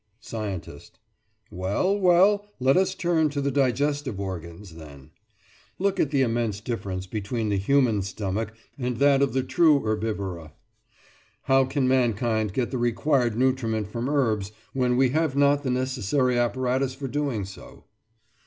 SCIENTIST: Well, well; let us turn to the digestive organs, then. Look at the immense difference between the human stomach and that of the true herbivora. How can mankind get the required nutriment from herbs, when we have not the necessary apparatus for doing so?